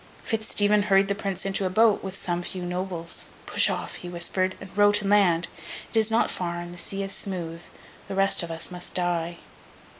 Fitz Stephen hurried the Prince into a boat, with some few Nobles. 'Push off,' he whispered; 'and row to land. It is not far, and the sea is smooth. The rest of us must die.